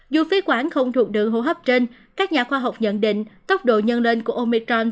dù phế quản không thuộc đường hô hấp trên các nhà khoa học nhận định tốc độ nhân lên của omiton